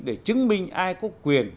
để chứng minh ai có quyền